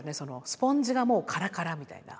スポンジがもうカラカラみたいな。